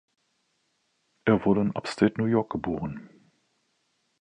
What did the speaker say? Er wurde in Upstate New York geboren.